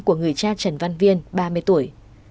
của người cha trần văn viên ba mươi tuổi